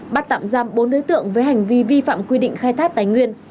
bắt tạm giam bốn đối tượng với hành vi vi phạm quy định khai thác tài nguyên